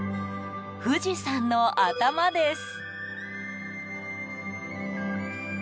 富士山の頭です。